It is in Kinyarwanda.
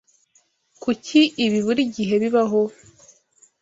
Kuki ibi buri gihe bibaho?